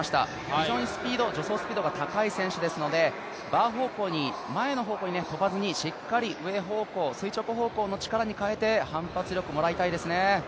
非常に助走スピードが高い選手ですので、バー方向に前の方向に跳ばずにしっかり上方向、垂直方向の力に変えて、反発力もらいたいですね。